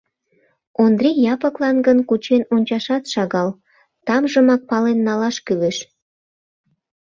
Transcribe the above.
Ондри Япыклан гын кучен ончашат шагал — тамжымак пален налаш кӱлеш.